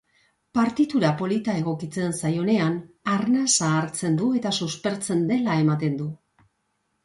Partitura polita egokitzen zaionean, arnasa hartzen du eta suspertzen dela ematen du.